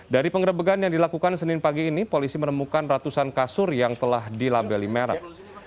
dari pengerebegan yang dilakukan senin pagi ini polisi menemukan ratusan kasur yang telah dilabeli merek